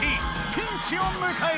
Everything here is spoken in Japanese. ピンチをむかえる。